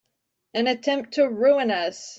An attempt to ruin us!